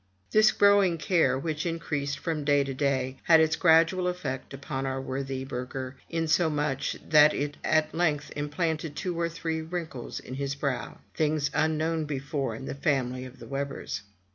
This growing care, which increased from day to day, had its gradual effect upon our worthy burgher; insomuch, that it at length implanted two or three wrinkles in his brow; things un known before in the family of the Webbers.